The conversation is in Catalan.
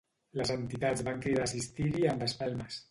Les entitats van cridar a assistir-hi amb espelmes.